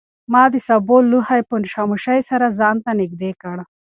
ما د سابو لوښی په خاموشۍ سره ځان ته نږدې کړ.